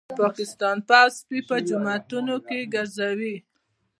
د پاکستان پوځ سپي په جوماتونو کي ګرځوي